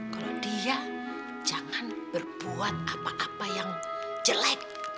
kalau dia jangan berbuat apa apa yang jelek